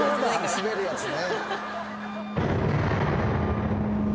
滑るやつね。